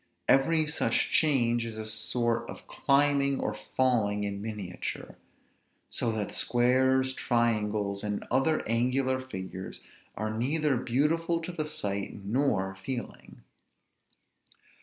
Every such change is a sort of climbing or falling in miniature; so that squares, triangles, and other angular figures are neither beautiful to the sight nor feeling.